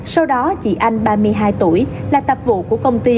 sau đó chị anh ba mươi hai tuổi là tập vụ của công ty